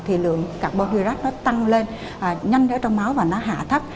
thì lượng carbon hydrate nó tăng lên nhanh ở trong máu và nó hạ thấp